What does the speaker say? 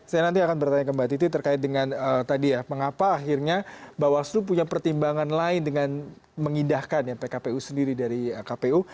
saya nanti akan bertanya ke mbak titi terkait dengan tadi ya mengapa akhirnya bawaslu punya pertimbangan lain dengan mengindahkan pkpu sendiri dari kpu